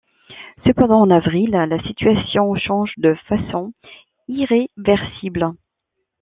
Cependant, en avril, la situation change de façon irréversible.